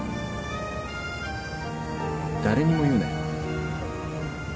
誰にも言うなよ。